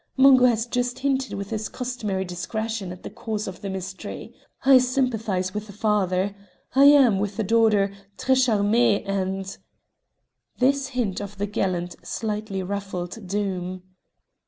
Mungo has just hinted with his customary discretion at the cause of the mystery. I sympathise with the father; I am, with the daughter, très charmé and " This hint of the gallant slightly ruffled Doom.